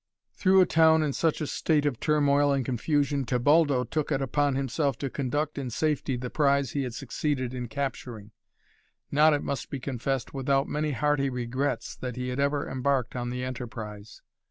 Through a town in such a state of turmoil and confusion Tebaldo took it upon himself to conduct in safety the prize he had succeeded in capturing, not, it must be confessed, without many hearty regrets that he had ever embarked on the enterprise.